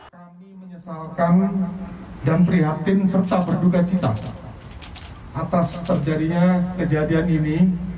kami menyesalkan dan prihatin serta berduka cita atas terjadinya kejadian ini